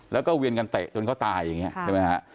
แล้วก็เวียนกันเตะจนเขาตายอย่างนี้ใช่ไหมฮะ